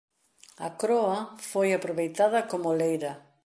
A croa foi aproveitada como leira.